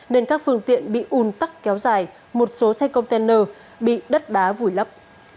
nên các phương tiện bị un tắc kéo dài một số xe container bị đất đá vùi lấp